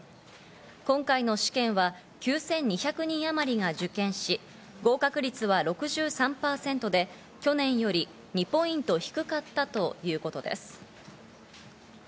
今回の試験は９２００人あまりが受験し、合格率は６３％で、去年より２ポイント低かったということです。